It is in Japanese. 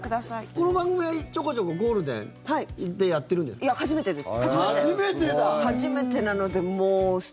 この番組はちょこちょこ、ゴールデンでいや、初めてです。